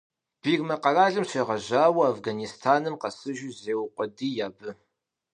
Бирмэ къэралым щегъэжьауэ Афганистаным къэсыжу зеукъуэдий абы.